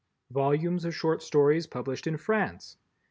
_" Volumes of Short Stories published in France.